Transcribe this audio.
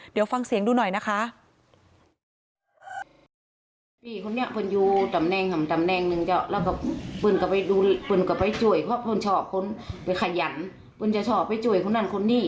เดี๋ยวฟังเสียงดูหน่อยนะคะ